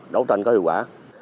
đấu tranh có hiệu quả